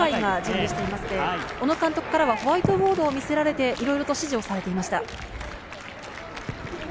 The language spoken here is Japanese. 小野監督からはホワイトボードを見せられて、いろいろと指示をされていました。